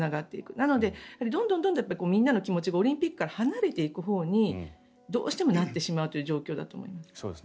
なので、どんどんみんなの気持ちがオリンピックから離れていく方向にどうしてもなってしまうという状況だと思います。